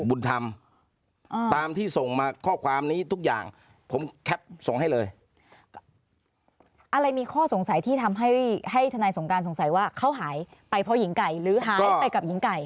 บุญธรรมตามที่ส่งมาข้อความนี้ทุกอย่างผมแคปส่งให้เลยอะไรมีข้อสงสัยที่ทำให้ให้ทนายสงการสงสัยว่าเขาหายไปเพราะหญิงไก่หรือหายไปกับหญิงไก่